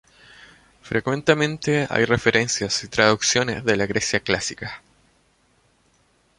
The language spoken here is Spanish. Frecuentemente hay referencias y traducciones de la Grecia Clásica.